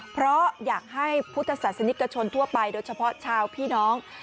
เพราะอยากให้พุทธศาสนิกชนทั่วไปโดยเฉพาะชาวพี่น้อง